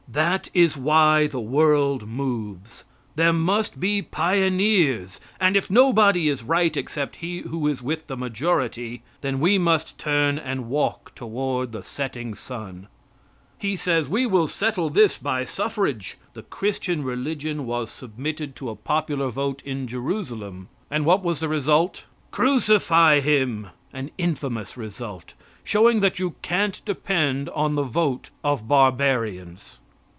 That is why the world moves. There must be pioneers, and if nobody is right except he who is with the majority, then we must turn and walk toward the setting sun. He says "We will settle this by suffrage." The Christian religion was submitted to a popular vote in Jerusalem, and what was the result? "Crucify Him " an infamous result, showing that you can't depend on the vote of barbarians.